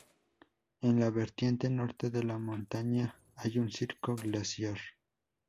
En la vertiente norte de la montaña hay un circo glaciar.